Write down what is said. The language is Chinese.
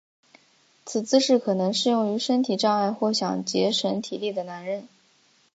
此姿势可能适用于身体障碍或想节省体力的男人。